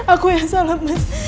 aku yang salah mas